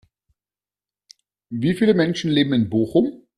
Wie viele Menschen leben in Bochum?